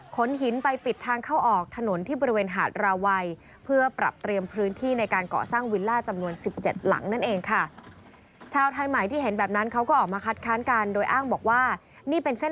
ขนหินไปปิดทางเข้าออกถนนที่บริเวณหาดราวัย